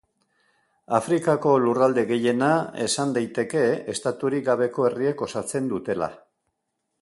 Afrikako lurralde gehiena esan daiteke estaturik gabeko herriek osatzen dutela.